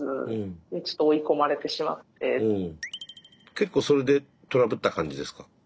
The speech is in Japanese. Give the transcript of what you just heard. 結構それでトラブった感じですか？